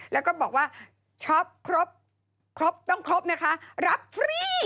แล้วก็บอกว่าช็อปครบครบต้องครบนะคะรับฟรี